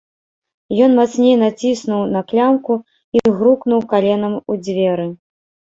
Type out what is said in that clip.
Ён мацней націснуў на клямку і грукнуў каленам у дзверы.